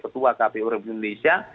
ketua kpu republik indonesia